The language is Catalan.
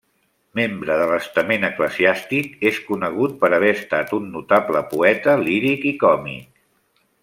Membre de l'estament eclesiàstic, és conegut per haver estat un notable poeta líric i còmic.